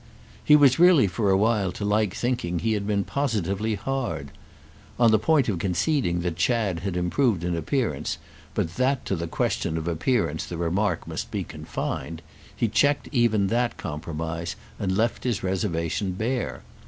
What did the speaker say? He was really for a while to like thinking he had been positively hard. On the point of conceding that Chad had improved in appearance, but that to the question of appearance the remark must be confined, he checked even that compromise and left his reservation bare.